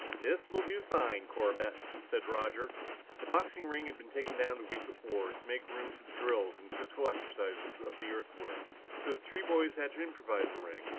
"This will do fine, Corbett," said Roger. The boxing ring had been taken down the week before to make room for drills and the physical exercises of the Earthworms, so the three boys had to improvise a ring.